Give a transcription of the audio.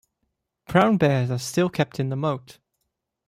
Brown bears are still kept in the moat.